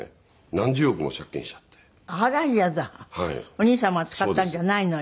お兄様が使ったんじゃないのに？